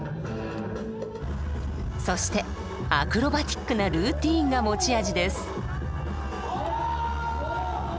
そしてアクロバティックなルーティーンが持ち味です。